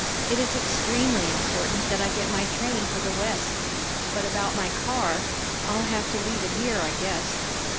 It is extremely important that I get my train for the West. But about my car I'll have to leave it here, I guess."